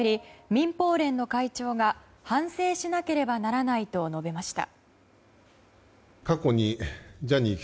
民放連の会長が反省しなければならないと述べました。